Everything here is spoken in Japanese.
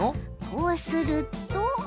こうすると。